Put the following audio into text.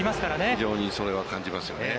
非常にそれは感じますよね。